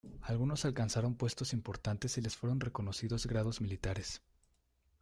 Algunos alcanzaron puestos importantes y les fueron reconocidos grados militares.